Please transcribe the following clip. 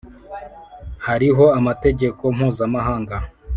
hariho amategeko mpuzamahanga